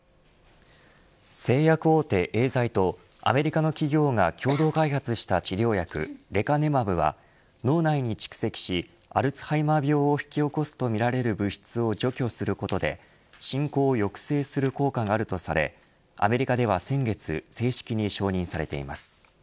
製薬大手エーザイとアメリカの企業が共同開発した治療薬レカネマブは脳内に蓄積しアルツハイマー病を引き起こすとみられる物質を除去することで進行を抑制する効果があるとされアメリカでは先月正式に承認されています。